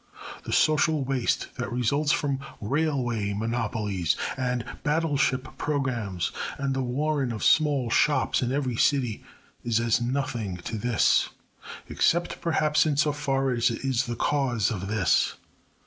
The social waste that results from railway monopolies and battleship programmes and the warren of small shops in every city is as nothing to this. Except, perhaps, in so far as it is the cause of this.